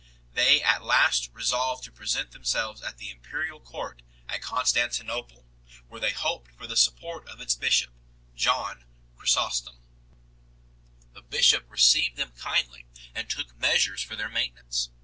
They at last re solved to present themselves at the imperial court at Con stantinople, where they hoped for the support of its bishop, John Chrysostom 8 . The bishop received them kindly and took measures for their maintenance.